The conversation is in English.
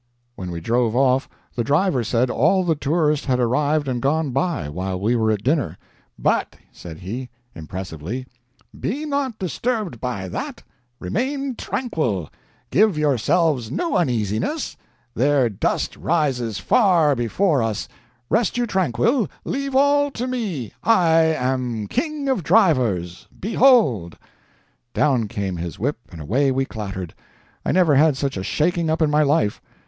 When we drove off, the driver said all the tourists had arrived and gone by while we were at dinner; "but," said he, impressively, "be not disturbed by that remain tranquil give yourselves no uneasiness their dust rises far before us rest you tranquil, leave all to me I am the king of drivers. Behold!" Down came his whip, and away we clattered. I never had such a shaking up in my life.